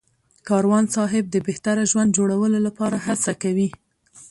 کاروان صاحب د بهتره ژوند جوړولو لپاره هڅه کوي.